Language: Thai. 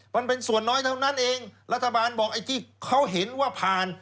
มันเป็นส่วนน้อยเท่านั้นเองรัฐบาลบอกไอ้ที่เขาเห็นว่าผ่าน